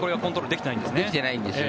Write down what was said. できてないんですね。